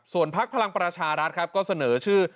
ส่วนพักพลังประชารัฐก็เสนอชื่อ